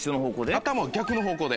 頭を逆の方向で。